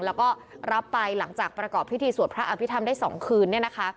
แล้วก็รับไปหลังจากประกอบพิธีสวดพระอภิษฐรรมได้๒คืน